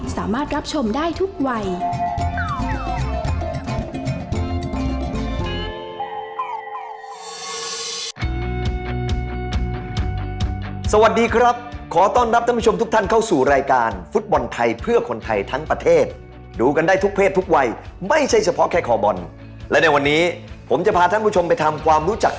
สวัสดีครับขอต้อนรับทุกท่านเข้าสู่รายการฟุตบอลไทยเพื่อคนไทยทั้งประเทศดูกันได้ทุกเพศทุกวัยไม่ใช่เฉพาะแค่ขอบอลและในวันนี้ผมจะพาท่านผู้ชมไปทำความรู้จักกับ